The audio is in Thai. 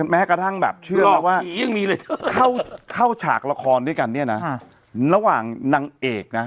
แม้กระทั่งแบบเชื่อว่ายังมีเลยเข้าฉากละครด้วยกันเนี่ยนะระหว่างนางเอกนะ